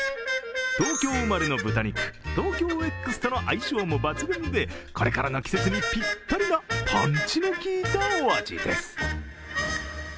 東京生まれの豚肉ＴＯＫＹＯＸとの相性も抜群でこれからの季節にぴったりなパンチの効いたお味です。